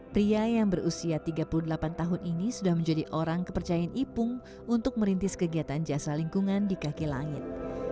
pria yang berusia tiga puluh delapan tahun ini sudah menjadi orang kepercayaan ipung untuk merintis kegiatan jasa lingkungan di kaki langit